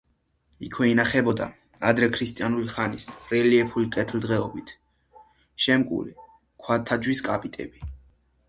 იქვე ინახებოდა ადრექრისტიანული ხანის რელიეფური კვეთილობით შემკული ქვაჯვარის კაპიტელი.